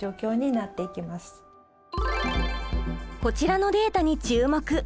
こちらのデータに注目！